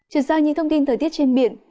trở ra những thông tin thời tiết trên biển